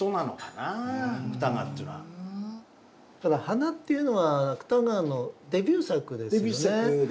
ただ「鼻」っていうのが芥川のデビュー作ですよね。